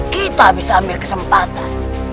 kita bisa ambil kesempatan